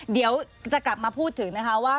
เดี๋ยวจะกลับมาพูดถึงนะคะว่า